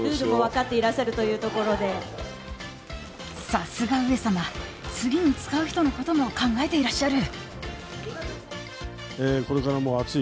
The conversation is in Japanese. さすが上様次に使う人のことも考えていらっしゃる。